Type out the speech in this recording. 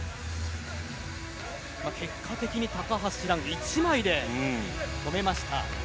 結果的に高橋藍１枚で止めました。